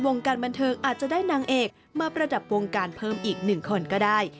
วงการบันเทิงอาจจะได้นางเอกมาประดับวงการเพิ่มอีกหนึ่งคนก็ได้